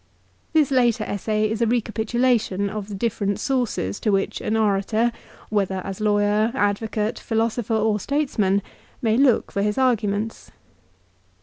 This later essay is a recapitulation of the different sources to which an orator, whether as lawyer, advocate, philosopher or statesman, may look for his arguments.